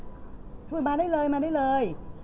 พี่ปุ๊ยมาได้เลยมาได้เลย